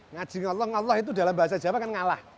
ngaji ngallah itu dalam bahasa jawa kan ngalah